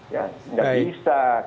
ya enggak bisa baik